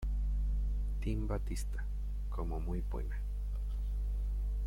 Team Batista como "muy buena".